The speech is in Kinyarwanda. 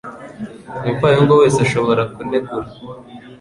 Umupfayongo wese ashobora kunegura